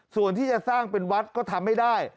ส่วนที่จะสร้างเป็นวัดก็ทำไม่ได้